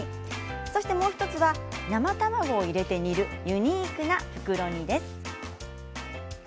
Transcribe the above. そしてもう１つは生卵を入れて煮るユニークな袋煮です。